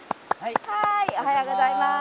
おはようございます。